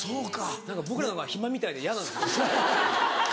何か僕らの方が暇みたいで嫌なんですよ。